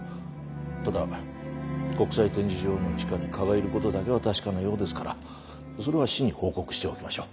ただ国際展示場の地下に蚊がいることだけは確かなようですからそれは市に報告しておきましょう。